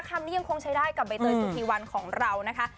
คำนี้ยังคงใช้ได้กับใบเตยสุธีวันของเรานะคะ